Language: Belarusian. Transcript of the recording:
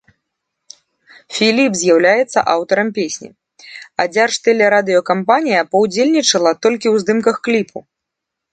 Філіп з'яўляецца аўтарам песні, а дзяржтэлерадыёкампанія паўдзельнічала толькі ў здымках кліпу.